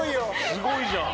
すごいじゃん！